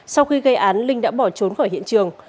sau khi gây án linh đã bỏ trốn khỏi hiện trường